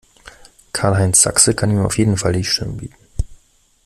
Karl-Heinz Sachse kann ihm auf jeden Fall die Stirn bieten.